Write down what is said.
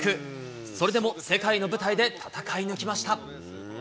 それでも世界の舞台で戦い抜きました。